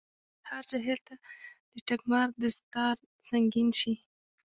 هر جاهل ته دټګمار دستار سنګين شي